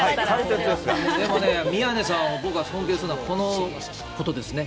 宮根さんを僕は尊敬するのは、僕はこのことですね。